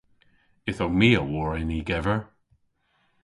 Ytho my a wor yn y gever.